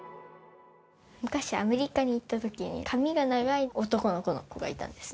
昔、アメリカに行ったときに、髪が長い男の子がいたんですね。